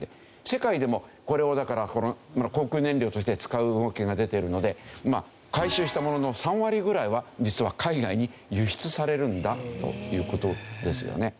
世界でもこれをだから航空燃料として使う動きが出ているので回収したものの３割ぐらいは実は海外に輸出されるんだという事ですよね。